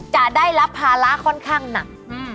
จะได้รับภาระค่อนข้างหนัก